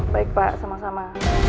baik pak sama sama